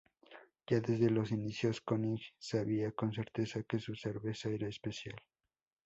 Ya desde los inicios König sabía con certeza que su cerveza era especial.